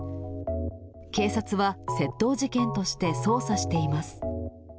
警察は、窃盗事件として捜査しています。